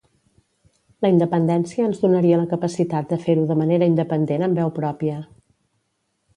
La independència ens donaria la capacitat de fer-ho de manera independent amb veu pròpia